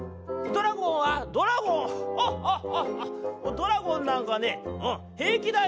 ドラゴンなんかねうんへいきだよ」。